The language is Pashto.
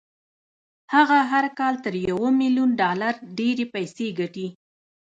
هغه هر کال تر يوه ميليون ډالر ډېرې پيسې ګټي.